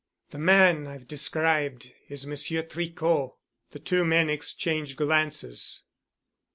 "The man I have described is Monsieur Tricot." The two men exchanged glances.